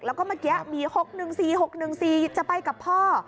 แล้วก็เมื่อกี้มี๖๑๔๖๑๔จะไปกับพ่อ